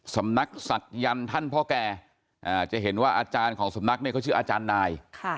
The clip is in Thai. สำนักศักยันต์ท่านพ่อแก่จะเห็นว่าอาจารย์ของสำนักเนี่ยเขาชื่ออาจารย์นาย